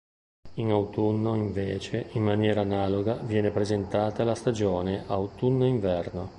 In autunno, invece, in maniera analoga, viene presentata la stagione autunno-inverno.